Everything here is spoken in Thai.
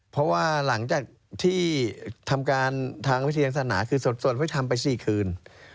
เพราะว่าหลังจากที่ทำการทางวิทยาศาสนาคือสวดไว้ทำไป๔คืน